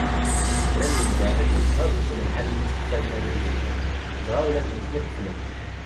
Kra n yimdanen ittɣad-iten lḥal mi tteqfalen abrid wiyaḍ, dɣa ula d nutni qeflen-t.